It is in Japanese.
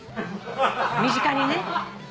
身近にね。